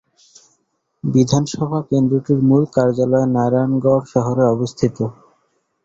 বিধানসভা কেন্দ্রটির মূল কার্যালয় নারায়ণগড় শহরে অবস্থিত।